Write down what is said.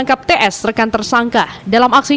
ini kurir dan sefaus